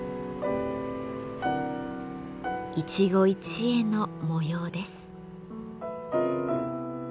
一期一会の模様です。